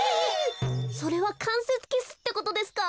それはかんせつキスってことですか？